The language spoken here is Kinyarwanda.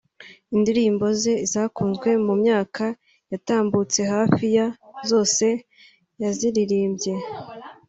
indirimbo ze zakunzwe mu myaka yatambutse hafi ya zose yaziririmbye